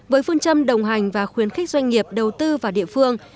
với phương châm đồng hành và khuyến khích doanh nghiệp đầu tư vào địa phương